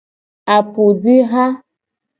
Apujiha.